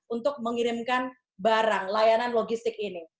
untuk mengirimkan barang layanan logistik ini